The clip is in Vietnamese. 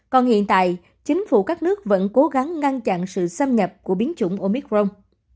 còn hiện tại chính phủ các nước vẫn cố gắng ngăn chặn sự xâm nhập của biến chủng omicron